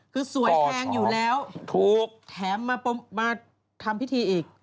คือสวยแทงอยู่แล้วแถมมาทำพิธีอีกโอ้โฮถูก